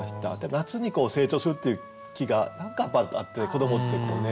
夏に成長するっていう気が何かあって子どもってこうね。